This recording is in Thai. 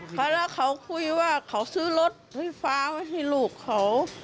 เขาแล้วเขาคุยว่าเขาซื้อรถไฟฟ้าไว้ให้ลูกเขา